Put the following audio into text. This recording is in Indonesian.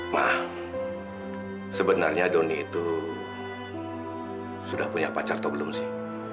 mah sebenarnya doni itu sudah punya pacar atau belum sih